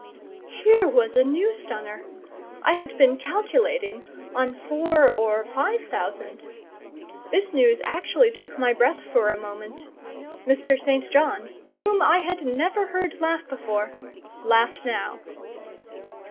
Here was a new stunner—I had been calculating on four or five thousand. This news actually took my breath for a moment: Mr. St. John, whom I had never heard laugh before, laughed now.